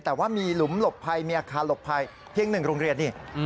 แต่ว่ามีหลุมหลบภัยมีอาคารหลบภัยเพียง๑โรงเรียนนี่